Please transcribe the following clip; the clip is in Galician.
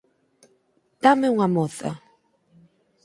Dáme unha moza!